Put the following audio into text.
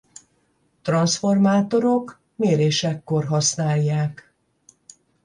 Transzformátorok mérésekor használják.